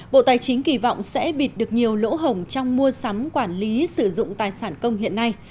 bộ tài chính kỳ vọng sẽ bịt được nhiều lỗ hổng trong mua sắm quản lý sử dụng tài sản công hiện nay